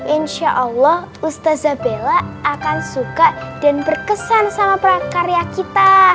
insya allah ustazah bella akan suka dan berkesan sama karya kita